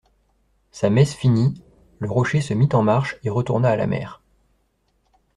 Sa messe finie, le rocher se mit en marche et retourna à la mer.